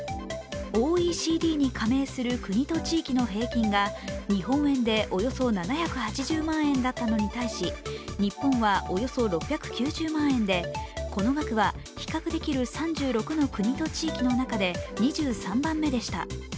ＯＥＣＤに加盟する国と地域の平均が、日本円でおよそ７８０万円だったのに対し、日本はおよそ６９０万円で、この額は比較できる３６の国と地域の中で２３番目でした。